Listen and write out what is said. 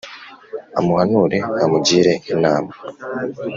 amuhanure: amugire inama